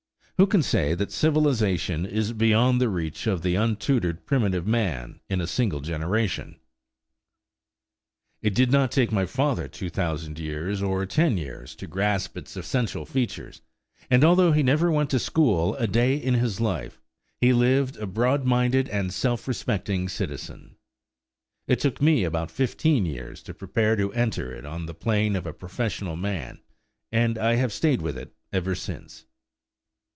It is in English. Who can say that civilization is beyond the reach of the untutored primitive man in a single generation? It did not take my father two thousand years, or ten years, to grasp its essential features; and although he never went to school a day in his life, he lived a broad minded and self respecting citizen. It took me about fifteen years to prepare to enter it on the plane of a professional man, and I have stayed with it ever since.